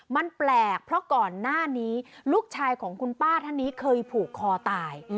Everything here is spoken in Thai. มันแปลกเพราะก่อนหน้านี้ลูกชายของคุณป้าท่านนี้เคยผูกคอตาย